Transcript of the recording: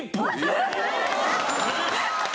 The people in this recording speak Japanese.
えっ！？